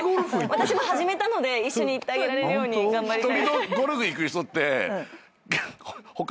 私も始めたので一緒に行ってあげられるように頑張りたい。